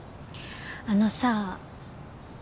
あのさ。